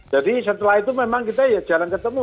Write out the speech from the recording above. jadi setelah itu memang kita ya jalan ketemu